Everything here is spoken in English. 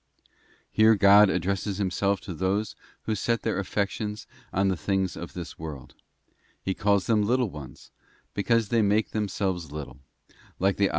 t Here God addresses Himself to those who set their affections on the things of this world; He calls them little ones, because they make themselves * Gen. xxi.